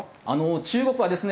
中国はですね